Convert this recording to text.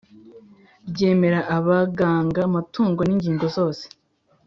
ryemera abaganga amatungo n ingingo zose